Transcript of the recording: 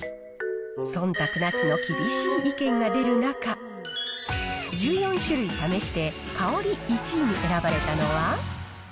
そんたくなしの厳しい意見が出る中、１４種類試して、香り１位に選ばれたのは。